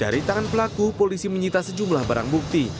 dari tangan pelaku polisi menyita sejumlah barang bukti